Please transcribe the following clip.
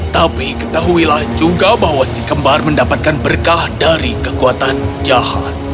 tapi ketahuilah juga bahwa si kembar mendapatkan berkah dari kekuatan jahat